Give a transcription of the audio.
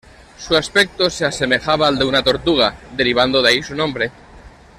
Su aspecto se asemejaba al de una tortuga, derivando de ahí su nombre.